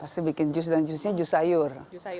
pasti bikin jus dan jusnya jus sayur